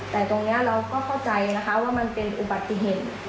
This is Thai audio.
แต่ตรงนี้เราก็เข้าใจนะคะว่ามันเป็นอุบัติเหตุ